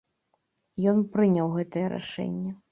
Ён прыняў гэтае рашэнне.